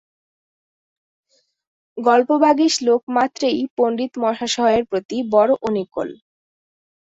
গল্পবাগীশ লোক মাত্রেই পণ্ডিতমহাশয়ের প্রতি বড়ো অনুকূল।